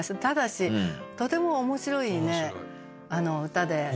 ただしとても面白い歌で。